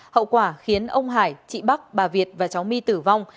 hậu quả khiến ông hải chị bắc bà việt và cháu my tử vong